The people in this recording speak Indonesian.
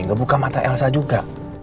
ngebuka mata elsa juga